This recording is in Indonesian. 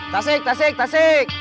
tasik tasik tasik